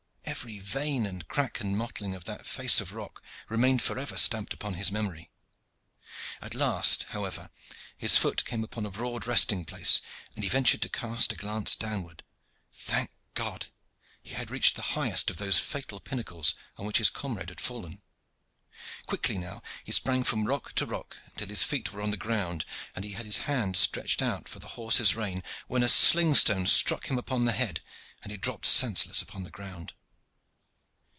Every vein and crack and mottling of that face of rock remained forever stamped upon his memory. At last, however, his foot came upon a broad resting place and he ventured to cast a glance downwards. Thank God! he had reached the highest of those fatal pinnacles upon which his comrade had fallen. Quickly now he sprang from rock to rock until his feet were on the ground, and he had his hand stretched out for the horse's rein, when a sling stone struck him on the head, and he dropped senseless upon the ground.